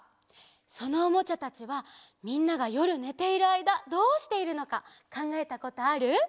そのおもちゃたちはみんながよるねているあいだどうしているのかかんがえたことある？